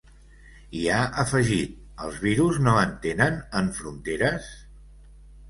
I ha afegit: Els virus no entenen en fronteres?